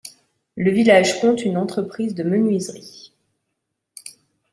Le village compte une entreprise de menuiserie.